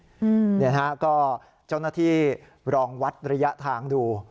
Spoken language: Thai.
เนี่ยนะฮะก็เจ้าหน้าที่ลองวัดระยะทางดู